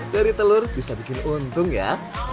dari telur bisa bikin untung ya